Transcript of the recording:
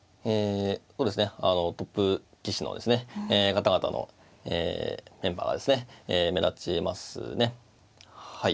そうですねトップ棋士のですね方々のメンバーがですね目立ちますねはい。